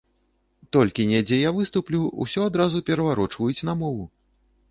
Толькі недзе я выступлю, усё адразу пераварочваюць на мову.